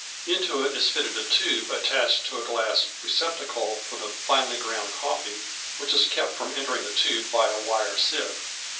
Into it is fitted a tube attached to a glass receptacle for the finely ground coffee, which is kept from entering the tube by a wire sieve.